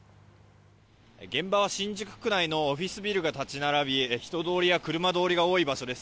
現場は新宿区内のオフィスビルが立ち並び人通りや車通りが多い場所です。